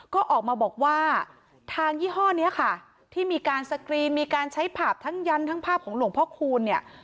ก็ออกมาบอกว่าทางยี่ห้อนี้ค่ะที่มีการสกรีนมีการใช้ผับทั้งยันทั้งภาพของหลวงพ่อคูณเนี่ย